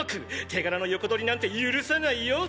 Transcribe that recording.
手柄の横取りなんて許さないよ！！